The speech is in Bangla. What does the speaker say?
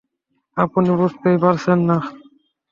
আপনি বুঝতেই পারছেন না।